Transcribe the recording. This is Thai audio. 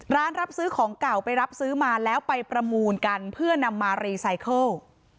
รับซื้อของเก่าไปรับซื้อมาแล้วไปประมูลกันเพื่อนำมารีไซเคิล